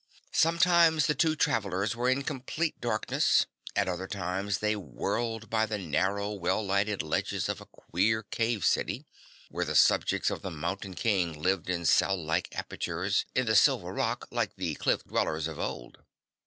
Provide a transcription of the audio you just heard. Sometimes the two travellers were in complete darkness, at other times they whirled by the narrow, well lighted ledges of a queer cave city, where the subjects of the Mountain King lived in cell like apertures in the silver rock like the cliff dwellers of old.